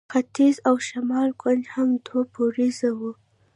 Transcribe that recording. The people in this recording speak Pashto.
ختیځ او شمال کونج هم دوه پوړیزه وه.